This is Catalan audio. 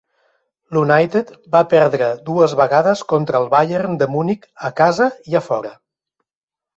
L'United va perdre dues vegades contra el Bayern de Munic, a casa i a fora.